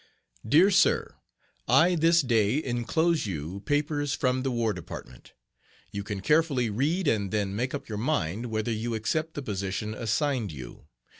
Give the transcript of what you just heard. DEAR SIR: I this day inclose you papers from the War Department. You can carefully read and then make up your mind whether you accept the position assigned you.